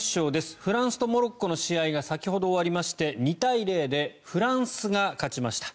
フランスとモロッコの試合が先ほど終わりまして２対０でフランスが勝ちました。